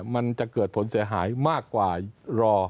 มันจะเกิดผลเสียหายมากกว่ารอ